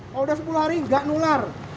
kalau udah sepuluh hari nggak nular